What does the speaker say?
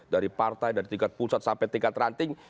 dari partai dari tingkat pusat sampai tingkat ranting